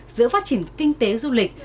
giữa phát triển kinh tế du lịch